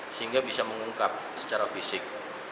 sehingga bisa mengungkap secara fisik